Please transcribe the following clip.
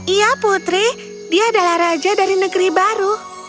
iya putri dia adalah raja dari negeri baru